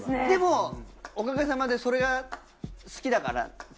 でもおかげさまでそれが好きだから。